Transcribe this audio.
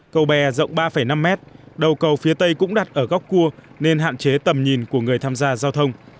cầu bè rộng ba năm mét đầu cầu phía tây cũng đặt ở góc cua nên hạn chế tầm nhìn của người tham gia giao thông